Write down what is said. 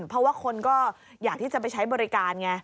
เพราะว่าคนก็อยากที่จะไปใช้บริการไง